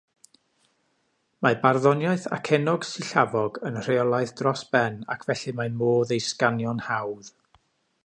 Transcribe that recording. Mae barddoniaeth acennog-sillafog yn rheolaidd dros ben ac felly mae modd ei sganio'n hawdd.